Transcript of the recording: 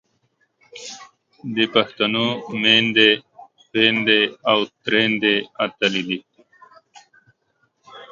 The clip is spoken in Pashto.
د پښتنو میندې، خویندې او تریندې اتلې دي.